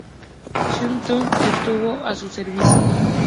Sun Tzu estuvo a su servicio.